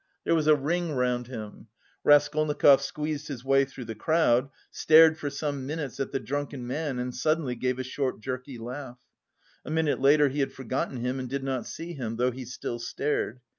There was a ring round him. Raskolnikov squeezed his way through the crowd, stared for some minutes at the drunken man and suddenly gave a short jerky laugh. A minute later he had forgotten him and did not see him, though he still stared.